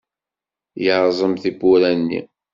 Yerẓem tiwwura-nni.